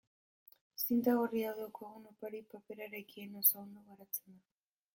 Zinta gorri hau daukagun opari-paperarekin oso ondo geratzen da.